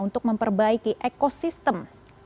untuk memperbaiki ekosistem